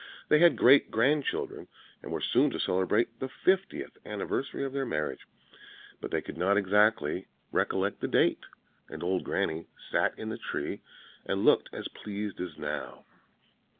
They had great grand children, and were soon to celebrate the fiftieth anniversary of their marriage; but they could not exactly recollect the date: and old Granny sat in the tree, and looked as pleased as now.